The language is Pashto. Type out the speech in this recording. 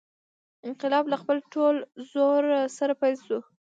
انقلاب له خپل ټول زور سره پیل شو.